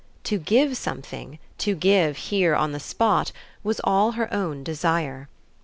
To give something, to give here on the spot, was all her own desire.